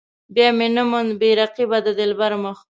بیا مې نه موند بې رقيبه د دلبر مخ.